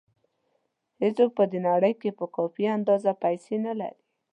هېڅوک په دې نړۍ کې په کافي اندازه پیسې نه لري.